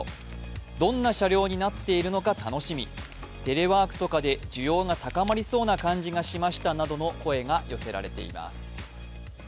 どんな車両になっているのか楽しみ、テレワークとかで需要が高まりそうな感じがしましたなどの声が寄せられています。